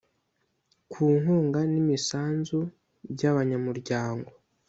ku nkunga n imisanzu by ‘abanyamuryango